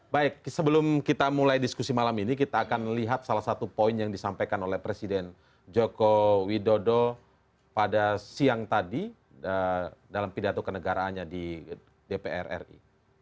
baik sebelum kita mulai diskusi malam ini kita akan lihat salah satu poin yang disampaikan oleh presiden joko widodo pada siang tadi dalam pidato kenegaraannya di dpr ri